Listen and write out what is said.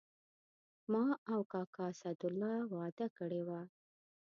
ما او کاکا اسدالله وعده کړې وه.